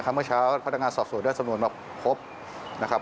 เมื่อเช้าพนักงานสอบส่วนเนื้อสำนวนมาครบ